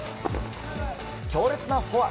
強烈なフォア！